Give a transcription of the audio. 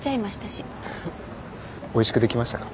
おいしくできましたか？